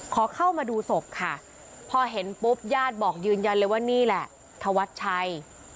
ขอเข้ามาดูศพค่ะพอเห็นปุ๊บญาติบอกยืนยันเลยว่านี่แหละธวัดชัย